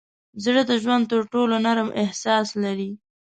زړه د ژوند تر ټولو نرم احساس لري.